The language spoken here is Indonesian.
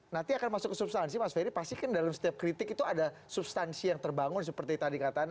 nanti akan masuk ke substansi mas ferry pasti kan dalam setiap kritik itu ada substansi yang terbangun seperti tadi kata anda